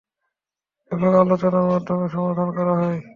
এবং আলোচনার মাধ্যমে সমাধান করা হয়।